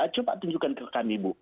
coba tunjukkan ke kami bu